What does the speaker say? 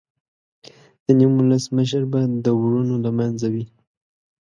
د نیم ولس مشر به د ورونو له منځه وي.